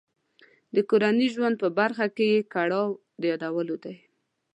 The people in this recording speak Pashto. د کورني ژوند په برخه کې یې کړاو د یادولو دی.